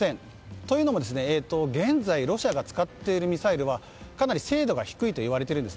というのも、現在ロシアが使っているミサイルはかなり精度が低いといわれているんです。